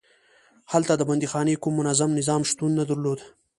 هلته د بندیخانې کوم منظم نظام شتون نه درلود.